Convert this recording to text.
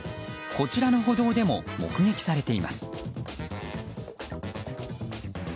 こちらの歩道でも目撃されています。